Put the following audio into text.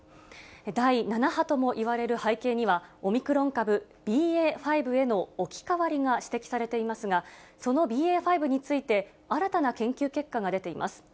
第７波ともいわれる背景には、オミクロン株ＢＡ．５への置き換わりが指摘されていますが、そのＢＡ．５について、新たな研究結果が出ています。